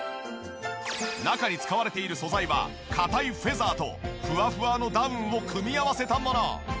中に使われている素材は硬いフェザーとフワフワのダウンを組み合わせたもの。